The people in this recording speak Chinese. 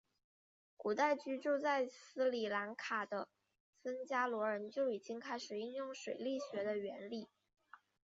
古代居住在斯里兰卡的僧伽罗人就已经开始应用水力学的原理。